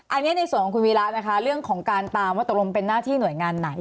อันนี้ในส่วนของคุณวีระนะคะเรื่องของการตามว่าตกลงเป็นหน้าที่หน่วยงานไหน